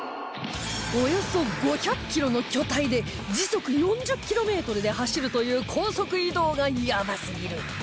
およそ５００キロの巨体で時速４０キロメートルで走るという高速移動がヤバすぎる